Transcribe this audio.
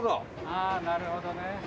ああなるほどね。